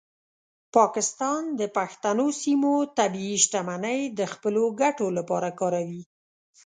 پاکستان د پښتنو سیمو طبیعي شتمنۍ د خپلو ګټو لپاره کاروي.